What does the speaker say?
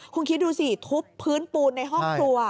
คุณคิดดูสิทุบพื้นปูนในห้องครัว